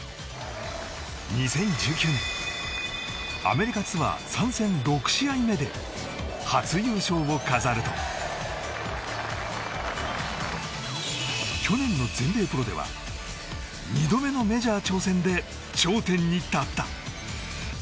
２０１９年アメリカツアー参戦６試合目で初優勝を飾ると去年の全米プロでは２度目のメジャー挑戦で頂点に立った。